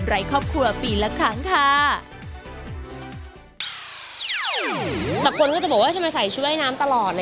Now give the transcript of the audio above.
ในครอบครัวปีละครั้งค่ะ